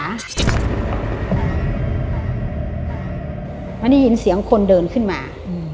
เพราะนี่ยินเสียงคนเดินขึ้นมา